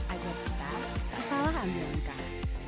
agar kita tak salah ambil langkah